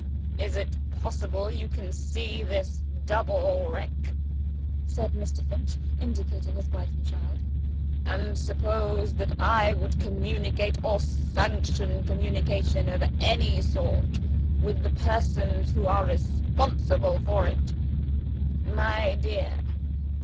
"Is it possible you can see this double Wreck," said Mr. Finch, indicating his wife and child, "and suppose that I would communicate or sanction communication of any sort, with the persons who are responsible for it? My dear!